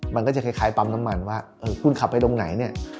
มันก็จะคล้ายปั๊มน้ำมันว่าคุณขับไปตรงไหนเนี่ย